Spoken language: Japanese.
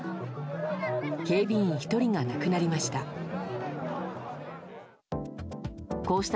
警備員１人が亡くなりました。